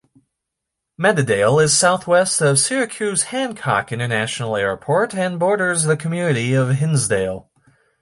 Mattydale is southwest of Syracuse Hancock International Airport and borders the community of Hinsdale.